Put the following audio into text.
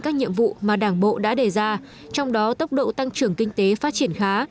các nhiệm vụ mà đảng bộ đã đề ra trong đó tốc độ tăng trưởng kinh tế phát triển khá